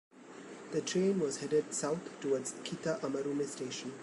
The train was headed south towards Kita-Amarume Station.